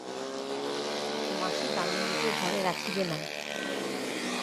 মাসি দামিনীকে ঘরে রাখিবে না।